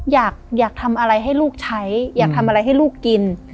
อยากทำอะไรให้ลูกใช้อยากทำอะไรให้ลูกกิน